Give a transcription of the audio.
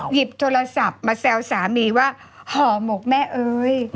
หยิบโทรศัพท์มาแซวสามีว่าห่อหมกแม่เอ้ย